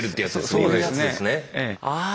そうですねええ。